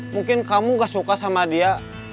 mungkin kamu gak suka sama dia